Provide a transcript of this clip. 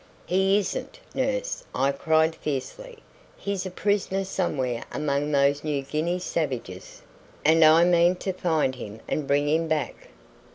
"He isn't, nurse," I cried fiercely. "He's a prisoner somewhere among those New Guinea savages, and I mean to find him and bring him back."